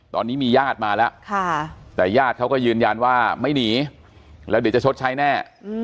ตอนนี้มีญาติมาแล้วแต่ญาติเขาก็ยืนยันว่าไม่หนีแล้วเดี๋ยวจะชดใช้แน่